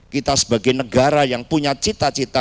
kita sebagai negara yang punya cita cita